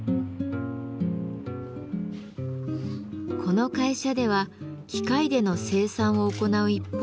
この会社では機械での生産を行う一方